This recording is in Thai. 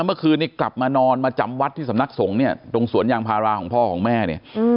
เมื่อคืนนี้กลับมานอนมาจำวัดที่สำนักสงฆ์เนี่ยตรงสวนยางพาราของพ่อของแม่เนี่ย